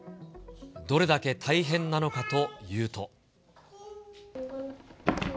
どれだけ大変なのかというと。